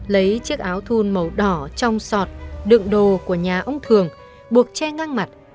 lấy chiếc áo thun màu đỏ trong sọt đựng đồ của nhà ông thường buộc che ngăn mặt